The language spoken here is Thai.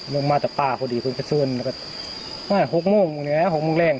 เรามาจากป้าเขาดีเพิ่มก็สูงแล้วก็ไม่ห่อกโมงเนี้ยห่อกโมงแรง